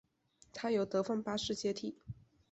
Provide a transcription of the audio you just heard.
他由德范八世接替。